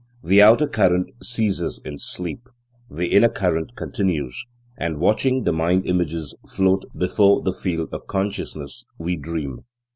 The outer current ceases in sleep; the inner current continues, and watching the mind images float before the field of consciousness, we "dream."